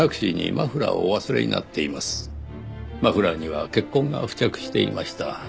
マフラーには血痕が付着していました。